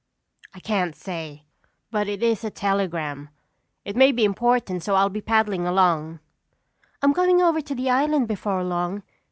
"I can't say, but it is a telegram. It may be important so I'll be paddling along." "I'm going over to the island before long.